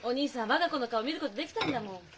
我が子の顔見ることできたんだもん。